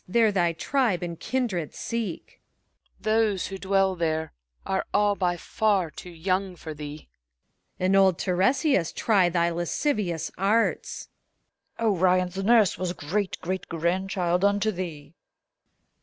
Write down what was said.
There thy tribe and kindred seek 1 CHORETID III. Those who dwell there are all by far too young for thee. PHORKYAS. On old Tiresias try thy lascivious arts ! CHORETID IV. Orion's nurse was great great grandchild unto thee!